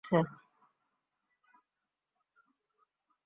তাদের কাছে যেতেও ভয় করছে।